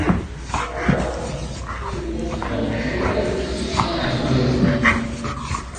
Kuwepo damu viungo vya ndani kwa mnyama aliyekufa na homa ya bonde la ufa